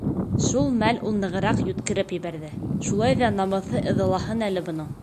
Шул мәл ул нығыраҡ йүткереп ебәрҙе: шулай ҙа намыҫы ыҙалаһын әле бының!